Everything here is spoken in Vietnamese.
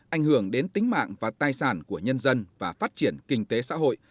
ảnh hưởng đến tính mạng và tài sản của nhân dân và phát triển kinh tế xã hội